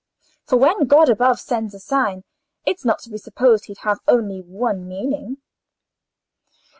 For when God above sends a sign, it's not to be supposed he'd have only one meaning."